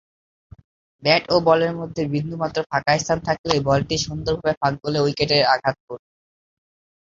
Bat ও বলের মধ্যে বিন্দুমাত্র ফাঁকা স্থান থাকলেই বলটি সুন্দরভাবে ফাঁক গলে উইকেটে আঘাত করবে।